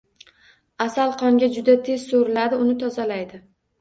Asal qonga juda tez so‘riladi, uni tozalaydi.